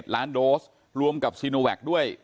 ล้านโดสรวมกับซีโนแวคด้วย